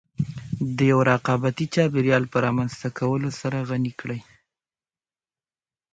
د يوه رقابتي چاپېريال په رامنځته کولو سره غني کړې.